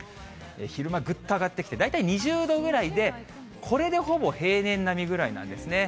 昼間ぐっと上がってきて、大体２０度ぐらいで、これでほぼ平年並みぐらいなんですね。